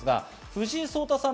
藤井聡太さん